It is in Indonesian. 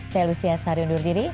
saya lucia sahari undur diri